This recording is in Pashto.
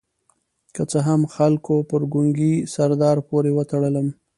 که څه هم خلکو پر ګونګي سردار پورې وتړلم.